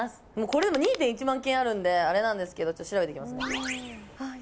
これ２．１万件あるんであれなんですけど調べていきます。